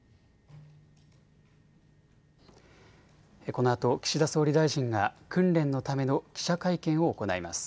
このあと岸田総理大臣が訓練のための記者会見を行います。